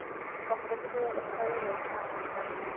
Comprende todo el estado de Utah.